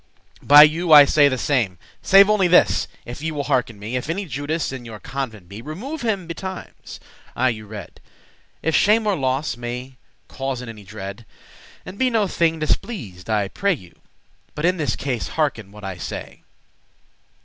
By you I say the same. Save only this, if ye will hearken me, If any Judas in your convent be, Remove him betimes, I you rede,* *counsel If shame or loss may causen any dread. And be no thing displeased, I you pray; But in this case hearken what I say.